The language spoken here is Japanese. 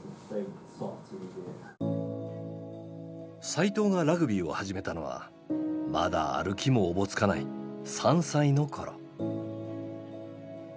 齋藤がラグビーを始めたのはまだ歩きもおぼつかない３歳の頃。